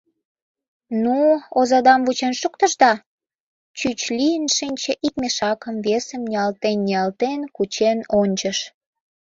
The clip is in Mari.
Ну, озадам вучен шуктышда? — чӱч лийын шинче, ик мешакым, весым ниялтен-ниялтен кучен ончыш.